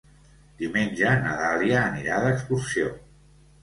Diumenge na Dàlia anirà d'excursió.